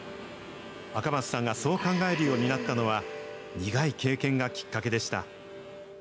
赤松さんがそう考えるようになったのは、苦い経験がきっかけでした。